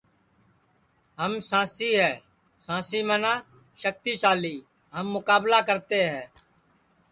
ہم سانسی ہے سانسی منا شکتی شالی کہ ہم مکابلہ کرتے ہے